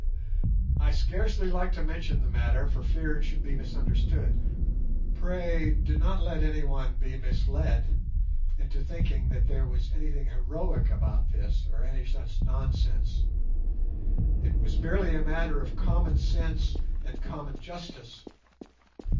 I scarcely like to mention the matter for fear it should be misunderstood. Pray do not let any one be misled into thinking that there was anything heroic about this, or any such nonsense. It was merely a matter of common sense and common justice.